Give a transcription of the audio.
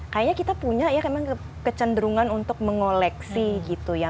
kayaknya kita punya ya memang kecenderungan untuk mengoleksi gitu ya